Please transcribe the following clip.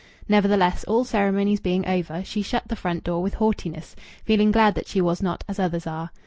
Nevertheless, all ceremonies being over, she shut the front door with haughtiness, feeling glad that she was not as others are.